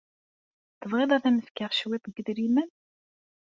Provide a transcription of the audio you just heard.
Tebɣiḍ ad am-fkeɣ cwiṭ n yedrimen?